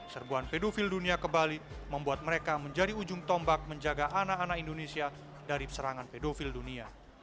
serbuan pedofil dunia ke bali membuat mereka menjadi ujung tombak menjaga anak anak indonesia dari serangan pedofil dunia